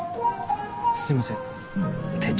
すいません店長。